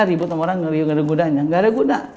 ribut orang ngeri gak ada gunanya